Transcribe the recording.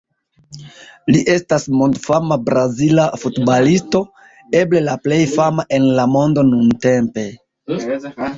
Li estas mondfama Brazila futbalisto, eble la plej fama en la mondo nuntempe.